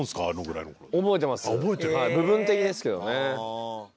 部分的ですけどね。